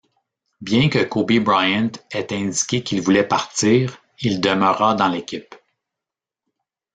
Bien que Kobe Bryant ait indiqué qu'il voulait partir, il demeura dans l'équipe.